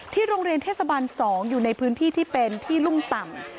โรงเรียนเทศบาล๒อยู่ในพื้นที่ที่เป็นที่รุ่มต่ำ